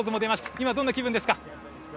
今、どんな気分ですか。